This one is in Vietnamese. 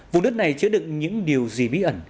vùng đất này chứa đựng những điều gì bí ẩn